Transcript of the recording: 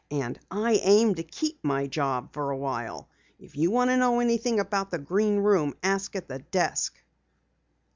"And I aim to keep my job for awhile. If you want to know anything about the Green Room ask at the desk!"